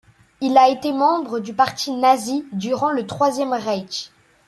Il a été membre du parti nazi durant le Troisième Reich.